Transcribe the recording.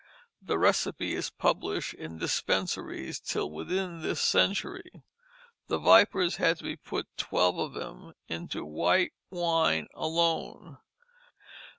The recipe is published in dispensatories till within this century. The vipers had to be put, "twelve of 'em," into white wine alone.